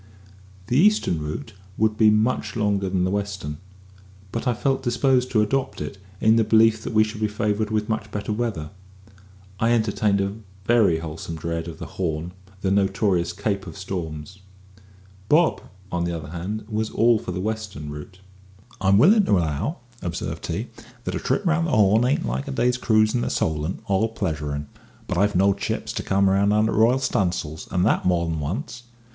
The eastern route would be much longer than the western; but I felt disposed to adopt it, in the belief that we should be favoured with much better weather. I entertained a very wholesome dread of the "Horn" the notorious "Cape of Storms." Bob, on the other hand, was all for the western route. "I'm willin' to allow," observed he, "that a trip round the Horn ain't like a day's cruise in the Solent all pleasuring; but I've knowed ships to come round under r'yal stunsails, and that more than once.